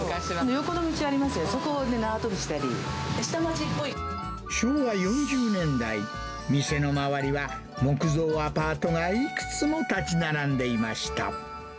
横の道ありますけど、そこで昭和４０年代、店の周りは木造アパートがいくつも建ち並んでいました。